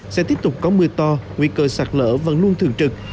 sẽ tiếp tục có mưa to nguy cơ sạt lở vẫn luôn thường trực